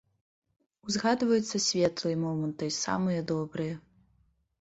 Узгадваюцца светлыя моманты, самыя добрыя.